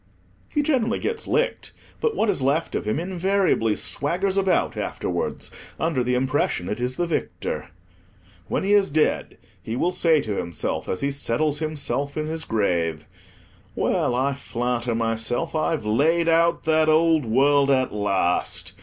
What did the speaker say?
He generally gets licked, but what is left of him invariably swaggers about afterwards under the impression it is the victor. When he is dead, he will say to himself, as he settles himself in his grave—"Well, I flatter myself I've laid out that old world at last.